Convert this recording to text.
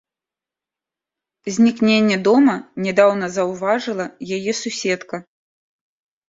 Знікненне дома нядаўна заўважыла яе суседка.